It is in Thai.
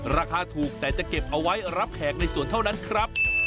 ราคาถูกแต่จะเก็บเอาไว้รับแขกในสวนเท่านั้นครับ